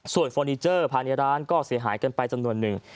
ส่วนฟอร์นิเจอร์ภายในร้านก็เสียหายกันไปจำนวนหนึ่ง